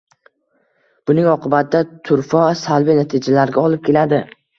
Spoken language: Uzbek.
buning oqibatida turfa salbiy natijalarga olib keladi